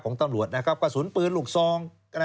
ของตำรวจนะครับกระสุนปืนลูกซอง